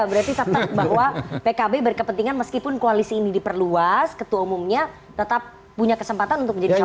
berarti bahwa pkb berkepentingan meskipun koalisi ini diperluas ketua umumnya tetap punya kesempatan untuk menjadi cawapres